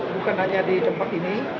bukan hanya di tempat ini